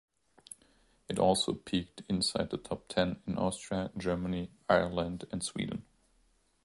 It also peaked inside the top ten in Austria, Germany, Ireland, and Sweden.